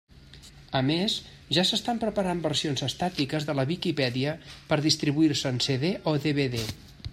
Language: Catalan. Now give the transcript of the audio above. A més, ja s'estan preparant versions estàtiques de la Viquipèdia per distribuir-se en CD o DVD.